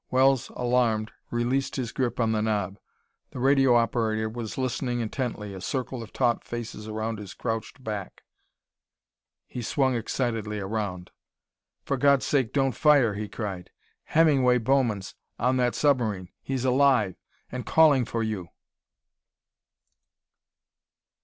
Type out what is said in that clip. Wells, alarmed, released his grip on the knob. The radio operator was listening intently, a circle of taut faces around his crouched back. He swung excitedly around. "For God's sake, don't fire!" he cried. "Hemingway Bowman's on that submarine! He's alive and calling for you!"